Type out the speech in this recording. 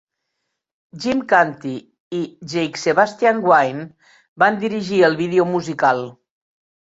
Jim Canty i Jake-Sebastian Wynne van dirigir el vídeo musical.